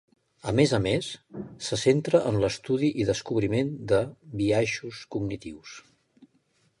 A més a més, se centra en l'estudi i descobriment de biaixos cognitius.